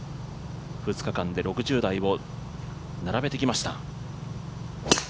２日間で６０台を並べてきました。